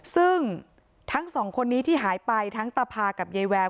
ซึ่งทั้งสองคนนี้ที่หายไปทั้งตาพากับยายแวว